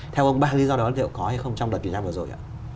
theo ông ba lý do đó có hay không trong đợt kiểm tra vừa rồi